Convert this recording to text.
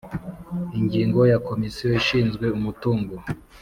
Ingingo ya Komisiyo ishinzwe umutungo